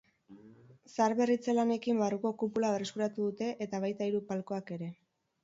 Zaharberritze lanekin barruko kupula berreskuratu dute eta baita hiru palkoak ere.